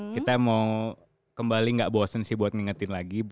kita mau kembali nggak bosen sih buat ngingetin lagi